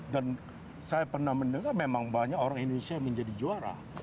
saya pernah mendengar memang banyak orang indonesia yang menjadi juara